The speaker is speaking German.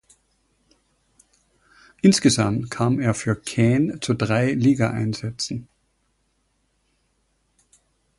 Insgesamt kam er für Caen zu drei Ligaeinsätzen.